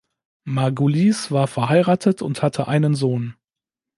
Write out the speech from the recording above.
Margulies war verheiratet und hatte einen Sohn.